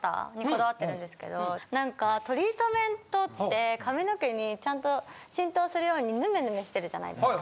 なんかトリートメントって髪の毛にちゃんと浸透するようにヌメヌメしてるじゃないですか。